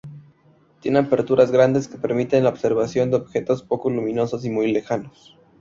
Tienen aperturas grandes que permiten la observación de objetos poco luminosos y muy lejanos.